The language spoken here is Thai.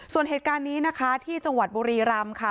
ส่วนเหตุการณ์นี้นะคะที่จังหวัดบุรีรำค่ะ